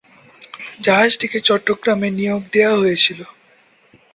জাহাজটিকে চট্টগ্রামে নিয়োগ দেয়া হয়েছিল।